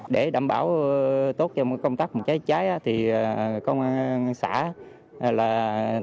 để đảm bảo tốt trong công tác phòng cháy cháy thì công an xã là tích